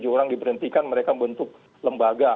lima puluh tujuh orang diberhentikan mereka membentuk lembaga